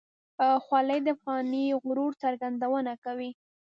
خولۍ د افغاني غرور څرګندونه کوي.